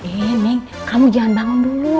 iya neng kamu jangan bangun dulu